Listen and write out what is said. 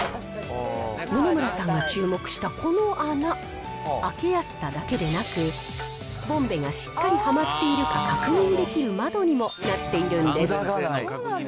野々村さんが注目したこの穴、開けやすさだけでなく、ボンベがしっかりはまっているか、確認できる窓にもなっているんです。